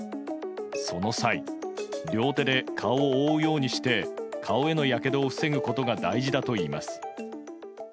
その際、両手で顔を覆うようにして顔へのやけどを防ぐことが大事だといいます。